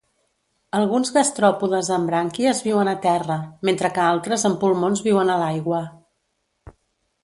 Alguns gastròpodes amb brànquies viuen a terra, mentre que altres amb pulmons viuen a l'aigua.